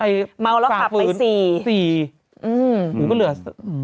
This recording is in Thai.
อย่างนี้ไม่ได้แล้ว